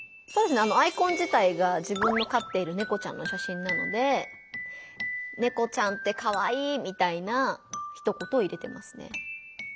アイコン自体が自分のかっているネコちゃんの写真なので「ネコちゃんってカワイイ」みたいなひと言を入れてますね。